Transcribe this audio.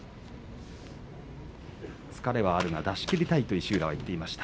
疲れはあるが出しきりたいと石浦は言っていました。